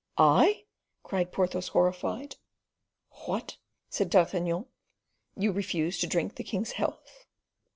"I?" cried Porthos, horrified. "What!" said D'Artagnan, "you refuse to drink the king's health?"